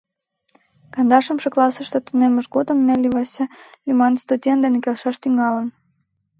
Кандашымше классыште тунеммыж годым Нелли Вася лӱман студент дене келшаш тӱҥалын.